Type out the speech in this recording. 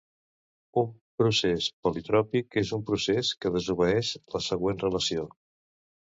Un procés politròpic és un procés que desobeeix la següent relació.